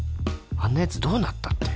あんなやつどうなったって